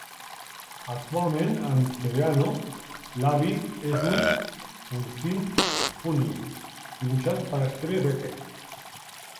Actualment, en "The Beano", l'avi és un "Funsize Funnie" dibuixat per Steve Beckett.